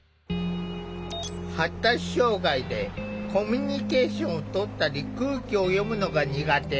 発達障害でコミュニケーションをとったり空気を読むのが苦手。